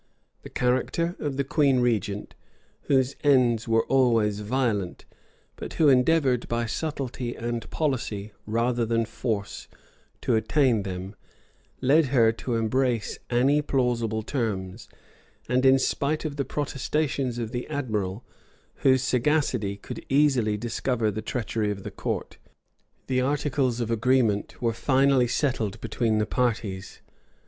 The character of the queen regent, whose ends were always violent, but who endeavored by subtlety and policy, rather than force, to attain them, led her to embrace any plausible terms; and in spite of the protestations of the admiral, whose sagacity could easily discover the treachery of the court, the articles of agreement were finally settled between the parties.